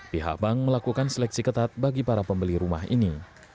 pihak bank melakukan seleksi ketat bagi para pembeli rumah ini